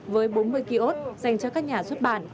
với bốn mươi ký ốt dành cho các nhà xuất bản